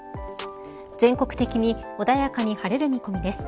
全国的に穏やかに晴れる見込みです。